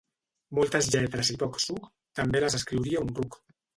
Moltes lletres i poc suc, també les escriuria un ruc.